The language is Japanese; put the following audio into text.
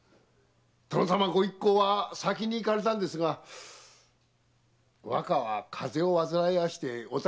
殿様ご一行は先に行かれたんですが若は風邪を患いましてお発ちになるのが遅れました。